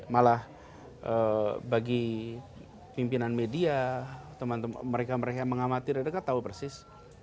malah bagi pimpinan media teman teman mereka mereka yang mengamati mereka tahu persis